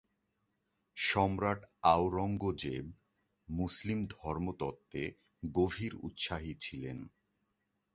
সম্রাট আওরঙ্গজেব মুসলিম ধর্মতত্ত্বে গভীর উৎসাহী ছিলেন।